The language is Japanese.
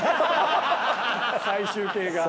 最終形が。